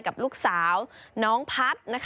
กับลูกสาวน้องพัฒน์